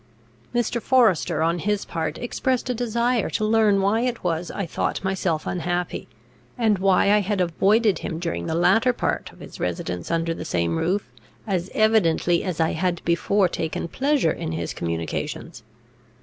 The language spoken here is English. Mr. Forester, on his part, expressed a desire to learn why it was I thought myself unhappy, and why I had avoided him during the latter part of his residence under the same roof, as evidently as I had before taken pleasure in his communications.